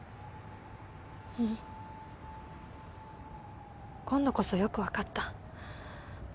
うん今度こそよく分かった。